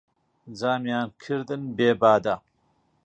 جامیان کردن بێ بادە